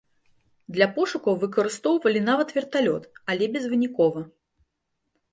Для пошукаў выкарыстоўвалі нават верталёт, але безвынікова.